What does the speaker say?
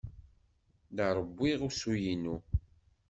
La rewwiɣ usu-inu.